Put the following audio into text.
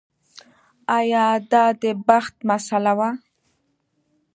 ایا دا د بخت مسئله وه.